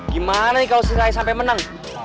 gimana nih kalau selesai sampai menang